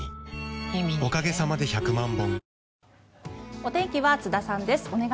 お天気は津田さんです。